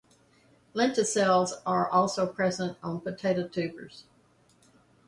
Lenticels are also present on potato tubers.